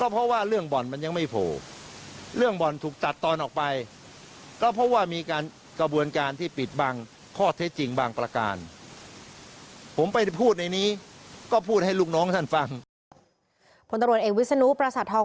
พตรเอกวิศนูปราศทองโอศัพท์